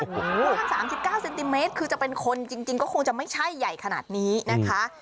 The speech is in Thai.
ประมาณ๓๙เซนติเมตรคือจะเป็นคนจริงก็คงจะไม่ใช่ใหญ่ขนาดนี้นะคะ